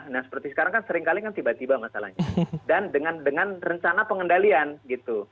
nah seperti sekarang kan seringkali kan tiba tiba masalahnya dan dengan rencana pengendalian gitu